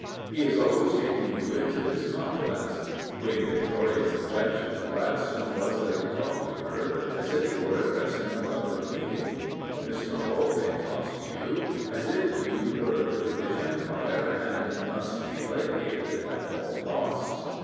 He is always taking you into his confidence. Queen Victoria's objection to Gladstone was that he talked to her as if he were addressing a public meeting. Mr. Haldane talks to you as if you were the British Empire and must be placated at all costs.